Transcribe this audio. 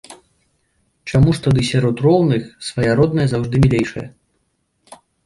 Чаму ж тады сярод роўных свая родная заўжды мілейшая?